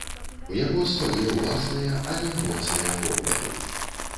У яго свае ўласныя, але моцныя погляды.